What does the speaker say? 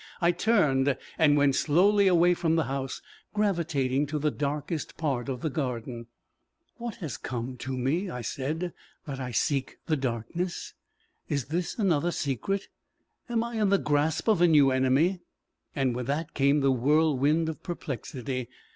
I turned, and went slowly away from the house, gravitating to the darkest part of the garden. "What has come to me," I said, "that I seek the darkness? Is this another secret? Am I in the grasp of a new enemy?" And with that came the whirlwind of perplexity.